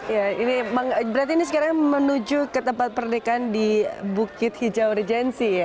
ya ini berarti ini sekarang menuju ke tempat pernikahan di bukit hijau regensi ya